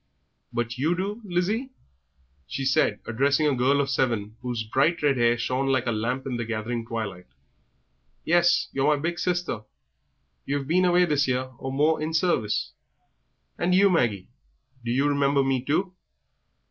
"But you do, Lizzie?" she said, addressing a girl of seven, whose bright red hair shone like a lamp in the gathering twilight. "Yes, you're my big sister; you've been away this year or more in service." "And you, Maggie, do you remember me too?"